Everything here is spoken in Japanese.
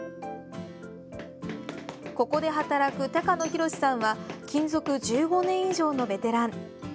ここで働く高野博史さんは勤続１５年以上のベテラン。